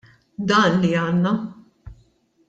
Dan li għandna!